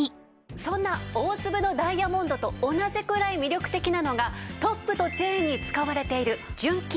そんな大粒のダイヤモンドと同じくらい魅力的なのがトップとチェーンに使われている純金と純プラチナです。